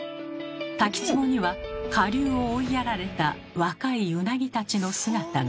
滝つぼには下流を追いやられた若いウナギたちの姿が。